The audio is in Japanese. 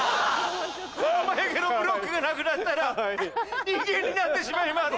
この眉毛のブロックがなくなったら人間になってしまいます。